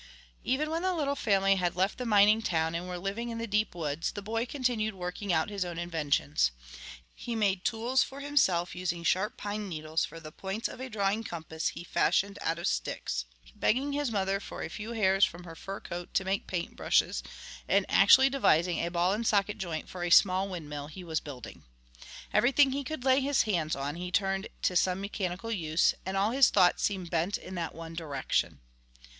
Even when the little family had left the mining town and were living in the deep woods the boy continued working out his own inventions. He made tools for himself, using sharp pine needles for the points of a drawing compass he fashioned out of sticks, begging his mother for a few hairs from her fur coat to make paint brushes, and actually devising a ball and socket joint for a small windmill he was building. Everything he could lay his hands on he turned to some mechanical use, and all his thoughts seemed bent in that one direction.